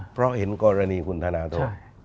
เพราะเห็นกรณีคุณธนทร